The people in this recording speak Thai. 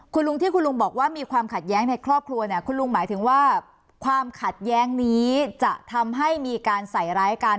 คุณลุงที่คุณลุงบอกว่ามีความขัดแย้งในครอบครัวเนี่ยคุณลุงหมายถึงว่าความขัดแย้งนี้จะทำให้มีการใส่ร้ายกัน